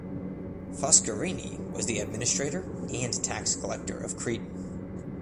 Foscarini was the administrator and Tax collector of Crete.